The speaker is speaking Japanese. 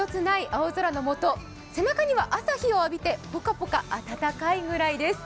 青空のもと背中には朝日を浴びてぽかぽか暖かいぐらいです。